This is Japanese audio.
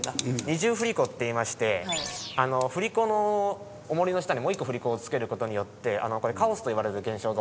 二重振り子っていいまして振り子の重りの下にもう一個振り子を付ける事によってカオスといわれる現象が起きるんですよ。